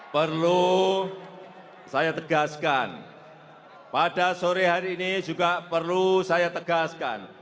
perlu saya tegaskan pada sore hari ini juga perlu saya tegaskan